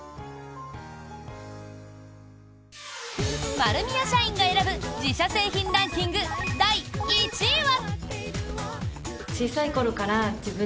丸美屋社員が選ぶ自社製品ランキング第１位は。